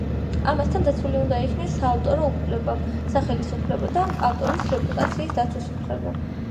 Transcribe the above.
ამასთან დაცული უნდა იქნეს საავტორო უფლება, სახელის უფლება და ავტორის რეპუტაციის დაცვის უფლება.